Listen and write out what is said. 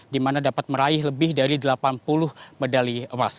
dimana dapat meraih lebih dari delapan puluh medali emas